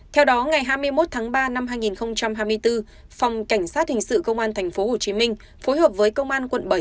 theo đó ngày hai mươi một tháng ba năm hai nghìn hai mươi bốn phòng cảnh sát hình sự công an tp hcm phối hợp với công an quận bảy